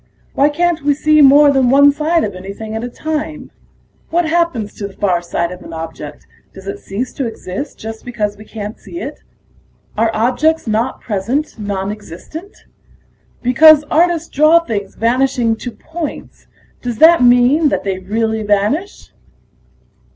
Why can't we see more than one side of anything at a time? What happens to the far side of an object; does it cease to exist just because we can't see it? Are objects not present nonexistent? Because artists draw things vanishing to points, does that mean that they really vanish?"